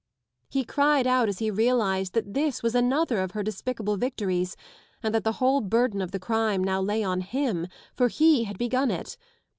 He cried out as he realised that this was another of her despicable victories and that the whole burden of the crime now lay on him, for he had begun it.